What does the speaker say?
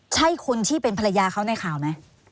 ใช่คนที่เป็นภรรยาเขาในข่าวไหม